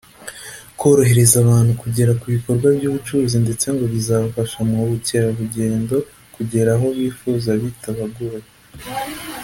korohereza abantu kugera ku bikorwa by’ubucuruzi ndetse ngo bizafasha ba mukererugendo kugera aho bifuza bitabagoye